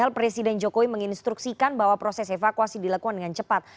presiden jokowi menginstruksikan bahwa proses evakuasi dilakukan dengan cepat